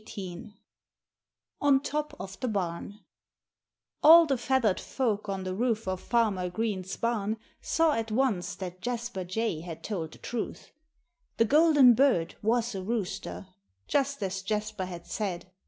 XVIII ON TOP OF THE BARN All the feathered folk on the roof of Farmer Green's barn saw at once that Jasper Jay had told the truth. The golden bird was a rooster, just as Jasper had said.